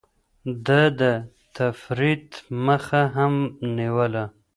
ده د تفريط مخه هم نيوله.